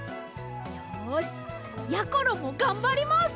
よしやころもがんばります！